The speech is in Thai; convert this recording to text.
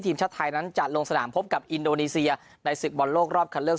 ทีมชาติไทยนั้นจะลงสนามพบกับอินโดนีเซียในศึกบอลโลกรอบคันเลือก